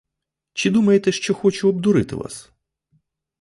Чи думаєте, що хочу обдурити вас?